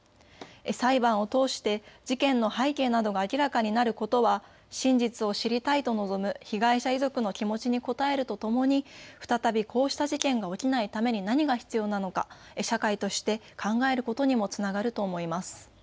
裁判を通して事件の背景などが明らかになることは真実を知りたいと望む被害者遺族の気持ちに応えるとともに、再びこうした事件が起きないために何が必要なのか社会として考えることにもつながると思います。